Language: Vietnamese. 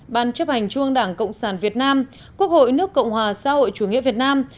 ban chấp hành trung ương đảng cộng sản việt nam quốc hội nước cộng hòa xã hội chủ nghĩa việt nam